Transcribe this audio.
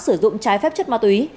sử dụng trái phép chất ma túy